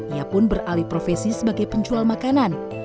ia pun beralih profesi sebagai penjual makanan